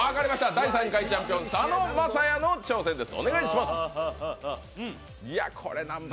第３回チャンピオン、佐野晶哉の挑戦です。